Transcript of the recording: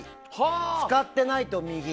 使ってないと右。